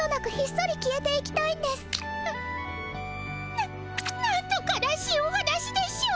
ななんと悲しいお話でしょう。